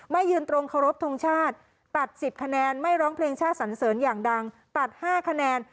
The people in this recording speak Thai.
ยืนตรงเคารพทงชาติตัด๑๐คะแนนไม่ร้องเพลงชาติสันเสริญอย่างดังตัด๕คะแนน